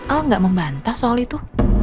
al gak membanta soal itu